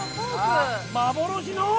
幻の！？